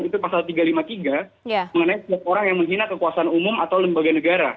itu pasal tiga ratus lima puluh tiga mengenai setiap orang yang menghina kekuasaan umum atau lembaga negara